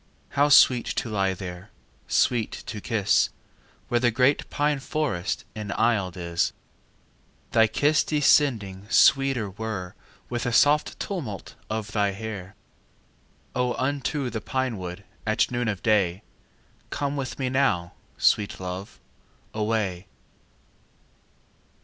How sweet to lie there, Sweet to kiss, Where the great pine forest Enaisled is! Thy kiss descending Sweeter were With a soft tumult Of thy hair. O, unto the pine wood At noon of day Come with me now, Sweet love, away.